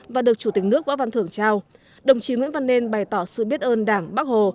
và được chủ tịch nước võ văn thưởng trao đồng chí nguyễn văn nên bày tỏ sự biết ơn đảng bác hồ